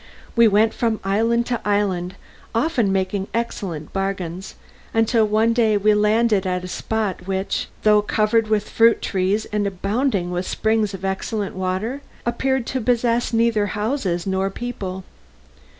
We went from island to island, often making excellent bargains, until one day we landed at a spot which, though covered with fruit trees and abounding in springs of excellent water, appeared to possess neither houses nor people.